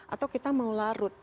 atau kita mau larut